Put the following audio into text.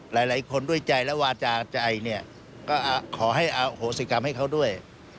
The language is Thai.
หลายคนด้วยใจและวาจาใจเนี่ยก็ขอให้อโหสิกรรมให้เขาด้วย